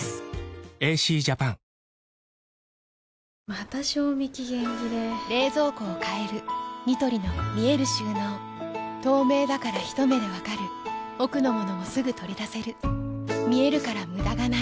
また賞味期限切れ冷蔵庫を変えるニトリの見える収納透明だからひと目で分かる奥の物もすぐ取り出せる見えるから無駄がないよし。